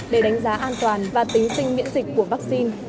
để đánh giá an toàn và tính sinh miễn dịch của vaccine